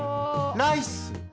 ライス。